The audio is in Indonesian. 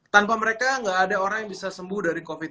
tanpa mereka nggak ada orang yang bisa sembuh dari covid sembilan belas